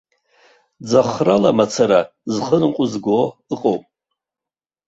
Ӡахрала мацара зхы ныҟәызго ыҟоуп.